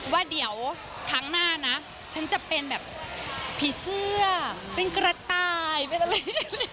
ว่าเดี๋ยวครั้งหน้านะฉันจะเป็นแบบผีเสื้อเป็นกระต่ายเป็นอะไร